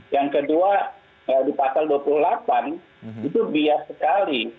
yang kedua di pasal dua puluh delapan itu bias sekali